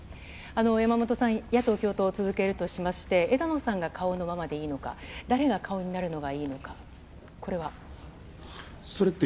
山本さん、野党共闘を続けるとしまして、枝野さんが顔のままでいいのか、誰が顔になるのがいいのか、これは。